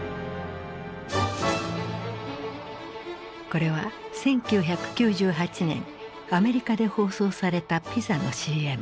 これは１９９８年アメリカで放送されたピザのＣＭ。